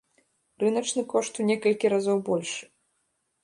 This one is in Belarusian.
Рыначны кошт у некалькі разоў большы.